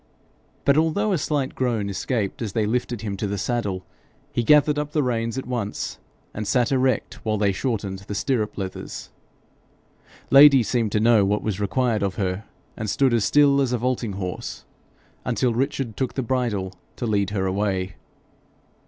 But although a slight groan escaped as they lifted him to the saddle, he gathered up the reins at once, and sat erect while they shortened the stirrup leathers. Lady seemed to know what was required of her, and stood as still as a vaulting horse until Richard took the bridle to lead her away.